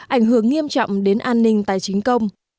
ảnh hưởng nghiêm trọng đến an ninh tài chính công